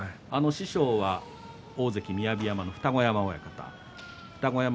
師匠は元大関雅山の二子山親方です。